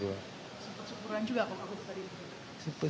sempat syukuran juga pak